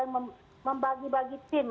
jadi kita mulai membagi bagi tim